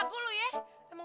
emang susah lu ya jadi laki